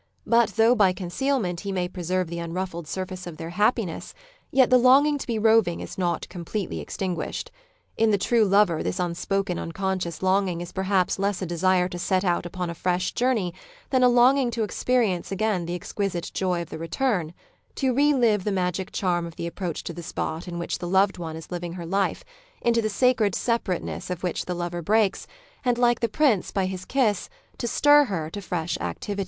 But though by concealment he may preserve the unruffled surface of their happi ness, yet the longing to be roving is not completely extmguished. In the true lover this unspoken, un conscious longing is perhaps less a desire to set out upon a fresh journey than a longing to experience again the exquisite joy of the return; to re live the magic charm of the approach to the spot in which the loved one is living her life, into the sacred separateness ot which the lover breaks, and, like the Prince by his kiss, to stir her to fresh activity.